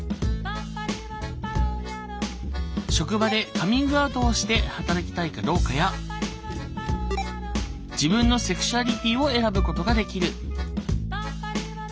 職場でカミングアウトして働きたいかどうかや自分のセクシュアリティーを選ぶことができる。